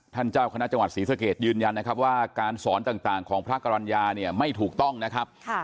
เจ้าคณะจังหวัดศรีสะเกดยืนยันนะครับว่าการสอนต่างของพระกรรณญาเนี่ยไม่ถูกต้องนะครับ